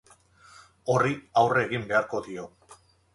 Horri aurre egin beharko dio.